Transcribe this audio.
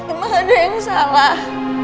emang ada yang salah